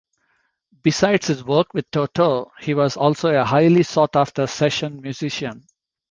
Besides his work with Toto, he was also a highly sought after session musician.